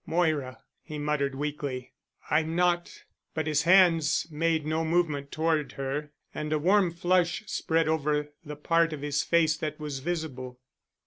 "Moira!" he muttered weakly. "I'm not——" But his hands made no movement toward her and a warm flush spread over the part of his face that was visible.